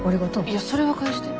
いやそれは返して。